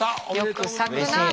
よく咲くなあ